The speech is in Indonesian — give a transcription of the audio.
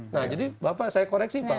nah jadi bapak saya koreksi pak